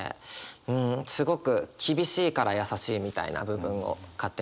うんすごく厳しいから優しいみたいな部分を勝手に受けました。